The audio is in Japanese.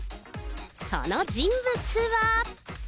その人物は。